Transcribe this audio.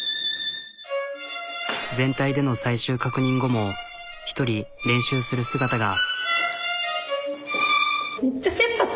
全体での最終確認後も１人練習する姿が。